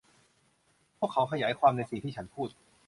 พวกเขาขยายความในสิ่งที่ฉันพูด